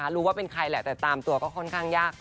รู้ว่าเป็นใครแหละแต่ตามตัวก็ค่อนข้างยาก